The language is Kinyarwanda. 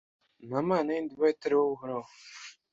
nta Mana yindi ibaho itari wowe, Uhoraho.